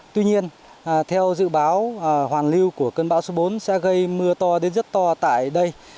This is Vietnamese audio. tuy nhiên theo dự báo hoàn lưu của cơn bão số bốn sẽ gây mưa to đến rất to tại đây